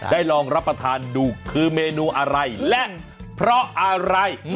ลองรับประทานดูคือเมนูอะไรและเพราะอะไร